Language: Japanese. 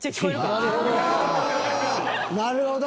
なるほど。